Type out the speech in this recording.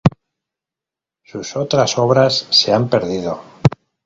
Sus otras obras se han perdido.